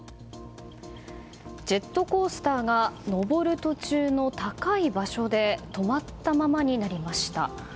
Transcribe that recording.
ジェットコースターが上る途中の高い場所で止まったままになりました。